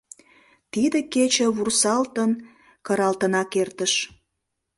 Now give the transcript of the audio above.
Тиде кече вурсалтын, кыралтынак эртыш.